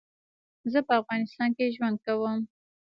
زه په افغانستان کي ژوند کوم